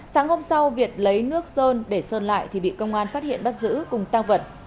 sáng hôm sau việt lấy nước sơn để sơn lại thì bị công an phát hiện bắt giữ cùng tăng vật